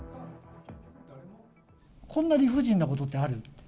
こんな理不尽なことってある？